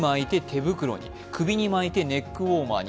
首に巻いてネックウォーマーに。